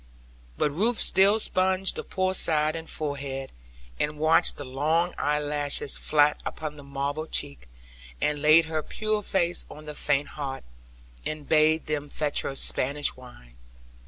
But Ruth still sponged the poor side and forehead, and watched the long eyelashes flat upon the marble cheek; and laid her pure face on the faint heart, and bade them fetch her Spanish wine.